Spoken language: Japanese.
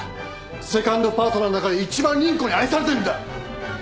セカンドパートナーの中で一番倫子に愛されてるんだ！